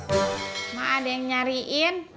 mas ada yang nyariin